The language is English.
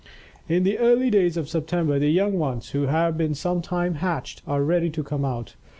In the early days of September, the young ones, who have been some time hatched, are ready to come out.